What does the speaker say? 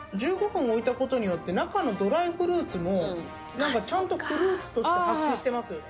１５分置いたことによって中のドライフルーツもちゃんとフルーツとして発揮してます。